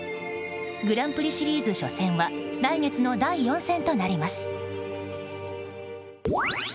グランプリシリーズ初戦は来月の第４戦となります。